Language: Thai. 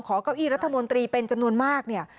เก้าอี้รัฐมนตรีเป็นจำนวนมากเนี่ย